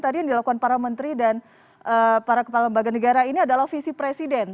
tadi yang dilakukan para menteri dan para kepala lembaga negara ini adalah visi presiden